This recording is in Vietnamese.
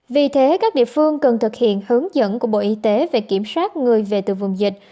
vì thế các địa phương cần thực hiện hướng dẫn của bộ y tế về kiểm soát người về từ vùng dịch